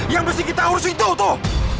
yang mesti kita urus itu tuh